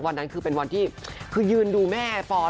วันนั้นคือเป็นวันที่คือยืนดูแม่ฟอส